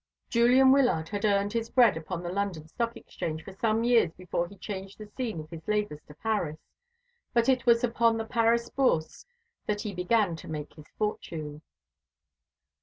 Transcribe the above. Julian Wyllard had earned his bread upon the London Stock Exchange for some years before he changed the scene of his labours to Paris; but it was upon the Paris Bourse that he began to make his fortune.